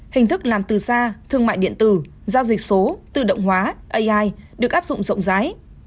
hình thức làm từ xa thương mại điện tử giao dịch số tự động hóa ai được áp dụng rộng rãi